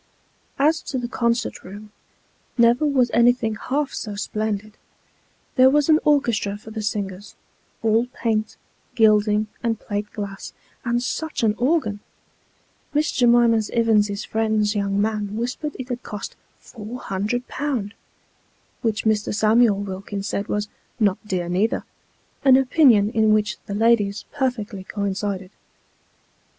As to the concert room, never was anything half so splendid. There was an orchestra for the singers, all paint, gilding, and plate glass ; and such an organ ! Miss J'mima Ivins's friend's young man whispered it had cost " four hundred pound," which Mr. Samuel Wilkins said was "not dear neither ;" an opinion in which the ladies perfectly coincided.